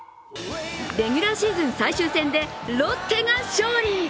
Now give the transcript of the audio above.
レギュラーシーズン最終戦でロッテが勝利！